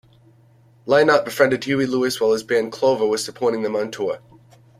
Lynott befriended Huey Lewis while his band, Clover, was supporting them on tour.